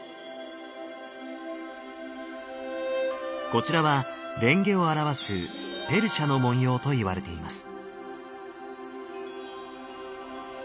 こちらは蓮華を表すペルシャの文様といわれています。